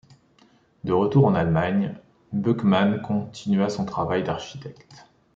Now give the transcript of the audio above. De retour en Allemagne, Böckmann continua son travail d'architecte.